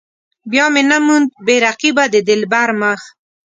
بیا مې نه موند بې رقيبه د دلبر مخ.